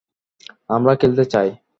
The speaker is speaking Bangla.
আমরা খেলতে চাই।